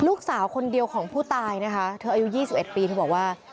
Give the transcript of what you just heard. ลูกสาวคนเดียวของผู้ตายนะคะเธออายุ๒๑ปีเธอบอกว่า